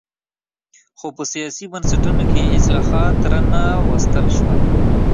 خو په سیاسي بنسټونو کې اصلاحات را نه وستل شول.